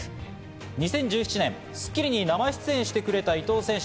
２０１７年『スッキリ』に生出演してくれた伊藤選手。